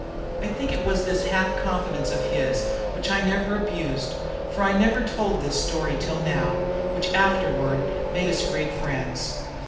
I think it was this half confidence of his, which I never abused, for I never told this story till now, which afterward made us great friends.